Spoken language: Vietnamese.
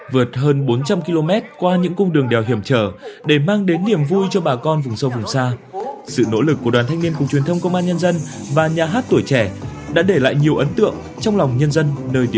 vượt hơn bốn trăm linh km qua những cung đường đèo hiểm trở để mang đến niềm vui cho bà con vùng sâu vùng xa sự nỗ lực của đoàn thanh niên cục truyền thông công an nhân dân và nhà hát tuổi trẻ đã để lại nhiều ấn tượng trong lòng nhân dân